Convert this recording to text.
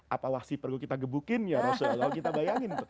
apa wahsyi perlu kita gebukin ya rasulullah kita bayangin